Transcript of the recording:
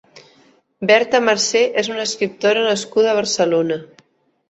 Berta Marsé és una escriptora nascuda a Barcelona.